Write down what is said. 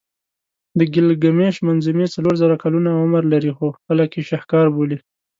د ګیلګمېش منظومې څلور زره کلونه عمر لري خو خلک یې شهکار بولي.